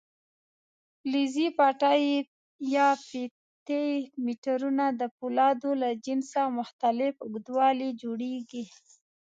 فلزي پټۍ یا فیتې میټرونه د فولادو له جنسه او مختلف اوږدوالي جوړېږي.